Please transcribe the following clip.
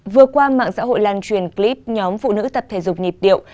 vừa qua mạng xã hội lan truyền clip nhóm phụ nữ tập thể dục nhịp điệu